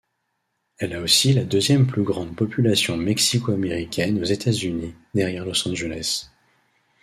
Elle a aussi la deuxième plus grande population mexico-américaine aux États-Unis derrière Los Angeles.